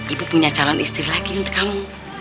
ibu punya calon istri lagi untuk kamu